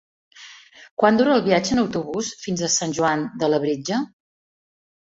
Quant dura el viatge en autobús fins a Sant Joan de Labritja?